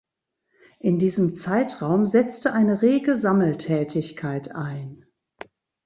In diesem Zeitraum setzte eine rege Sammeltätigkeit ein.